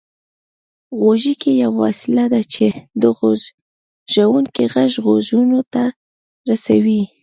غوږيکې يوه وسيله ده چې د غږوونکي غږ غوږونو ته رسوي